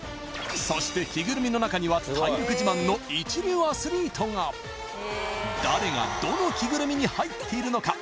そして着ぐるみの中には体力自慢の一流アスリートが誰がどの着ぐるみに入っているのか？